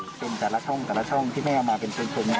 ทั้งหมดนี้ซวยครับค่ะแม่จะเป็นแต่ละช่องที่แม่มาเป็นเพื่อน